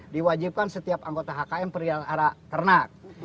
diwajibkan setiap anggota hkm pergi ke arah ternak